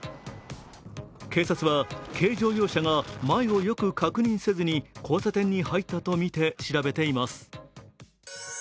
警察は軽乗用車が前をよく確認せずに交差点に入ったとみて、調べています。